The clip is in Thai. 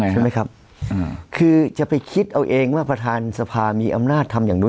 ใช่ไหมครับคือจะไปคิดเอาเองว่าประธานสภามีอำนาจทำอย่างนู้น